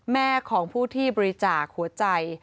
แม่ของผู้ที่บริจาคหัวใจ